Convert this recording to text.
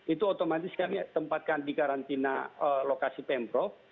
itu otomatis kami tempatkan di karantina lokasi pemprov